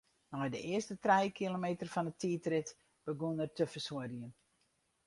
Nei de earste trije kilometer fan 'e tiidrit begûn er te fersuorjen.